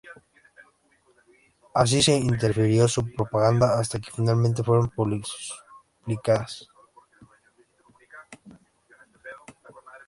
Así se interfirió su propaganda hasta que finalmente fueron suspendidas.